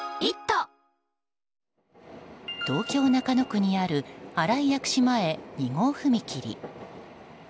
東京・中野区にある新井薬師前２号踏切。